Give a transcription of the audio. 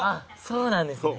そうなんですね。